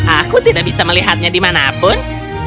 aku tidak bisa melihatnya dimanapun